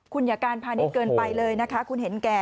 คุณอย่าการพานิดเกินไปเลยนะคะ